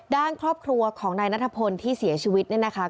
ด้านครอบครัวของนายนัทพลที่เสียชีวิตเนี่ยนะคะ